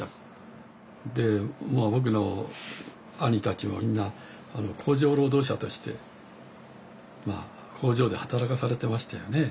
で僕の兄たちもみんな工場労働者として工場で働かされてましたよね。